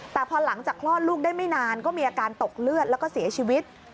แต่พอหลังจากคลอดลูกได้ไม่นานก็มีอาการตกเลือดแล้วก็เสียชีวิต